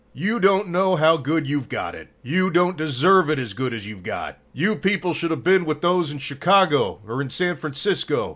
"You don't know how good you've got it! You don't deserve it as good as you've got. You people should have been with those in Chicago or in San Francisco.